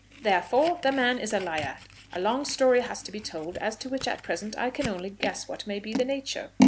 "Therefore the man is a liar. A long story has to be told, as to which at present I can only guess what may be the nature.